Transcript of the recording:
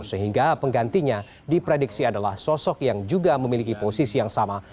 sehingga penggantinya diprediksi adalah sosok yang juga memiliki posisi yang sama